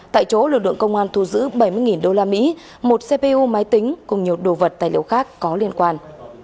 tại chỗ lực lượng công an thu giữ bảy mươi đô la mỹ một cpu máy tính cùng nhiều đồ vật tài liệu khác có liên quan